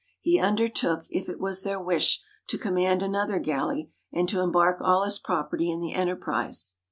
He undertook, if it was their wish, to command another galley, and to embark all his property in the enterprise.